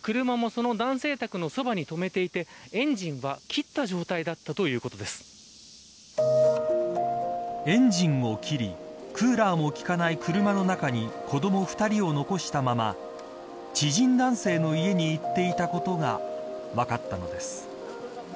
車もその男性宅の近くに止めていてエンジンは切った状態だったエンジンを切りクーラーも効かない車の中に子ども２人を残したまま知人男性の家に行っていたことが分かったのです。